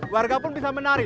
warga pun bisa menari